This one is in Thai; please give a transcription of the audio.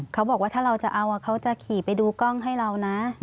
เขาบอกว่าถ้าเราจะเอาเขาจะขี่ไปดูกล้องให้เรานะ